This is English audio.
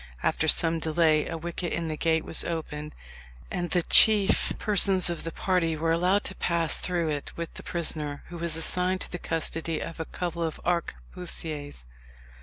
After some delay a wicket in the gate was opened, and the chief persons of the party were allowed to pass through it with the prisoner, who was assigned to the custody of a couple of arquebusiers.